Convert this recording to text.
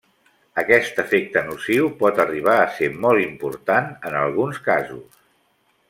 Aquest efecte nociu pot arribar a ser molt important en alguns casos.